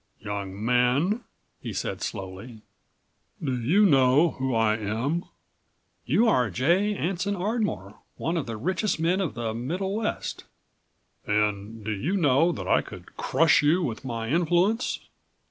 "Young man," he said slowly, "do you know who I am?" "You are J. Anson Ardmore, one of the richest men of the Middle West." "And do you know that I could crush you with my influence?"